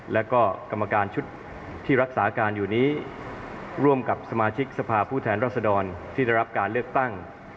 แล้วก็กรรมการชุดที่รักษาการอยู่นี้ร่วมกับสมาชิกสภาพผู้แทนรัศดรที่ได้รับการเลือกตั้ง